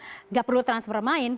tidak perlu transfer main